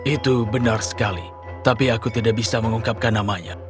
itu benar sekali tapi aku tidak bisa mengungkapkan namanya